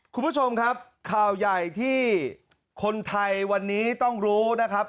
คุณผู้ชมครับข่าวใหญ่ที่คนไทยวันนี้ต้องรู้นะครับ